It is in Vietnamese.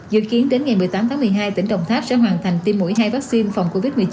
dự kiến đến ngày một mươi tám tháng một mươi hai tỉnh đồng tháp sẽ hoàn thành tiêm mũi hai vaccine phòng covid một mươi chín